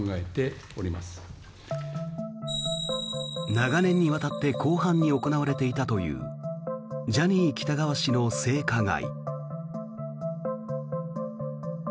長年にわたって広範に行われていたというジャニー喜多川氏の性加害。